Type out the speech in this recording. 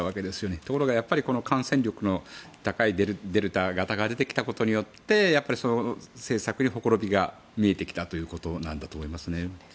ところが、感染力の高いデルタ型が出てきたことでその政策にほころびが見えてきたということなんだと思いますね。